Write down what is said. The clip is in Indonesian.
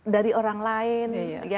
dari orang lain